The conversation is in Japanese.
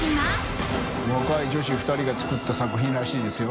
磴そ２人が作った作品らしいですよ。